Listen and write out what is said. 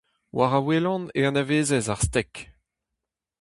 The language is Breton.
War a welan e anavezez ar stek.